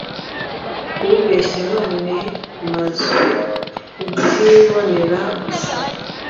ukubeshya none mazw kubyibonera gusa